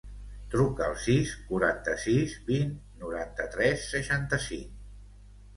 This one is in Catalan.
Truca al sis, quaranta-sis, vint, noranta-tres, seixanta-cinc.